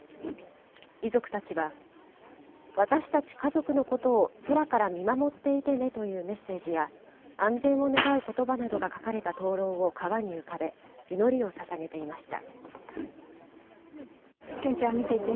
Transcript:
遺族たちは、私たち家族のことを空から見守っていてねというメッセージや、安全を願うことばなどが書かれた灯籠を川に浮かべ、祈りをささげていました。